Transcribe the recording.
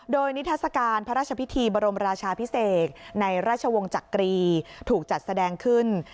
โดยนิทัศกาลพระราชพิธีบรมราชาพิเศษในราชวงศ์จักรีถูกจัดแสดงขึ้น